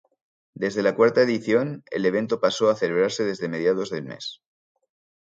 Desde la cuarta edición, el evento pasó a celebrarse desde mediados del mes.